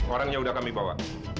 orangnya udah kami bawa